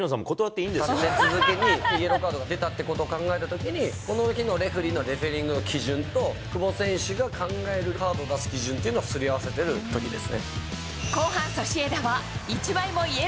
立て続けにイエローカードが出たってことを考えたときに、この日のレフェリーの基準と、久保選手が考えてるカードを出す基準をすり合わせているときです